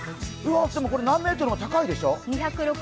これ何メートルも高いでしょう。